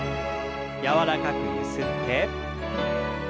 柔らかくゆすって。